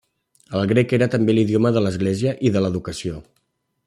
El grec era també l'idioma de l'Església i de l'educació.